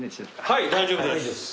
はい大丈夫です。